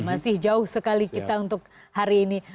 masih jauh sekali kita untuk hari ini